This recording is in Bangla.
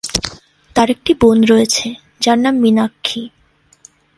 তার একটি বোন রয়েছে, যার নাম মীনাক্ষী।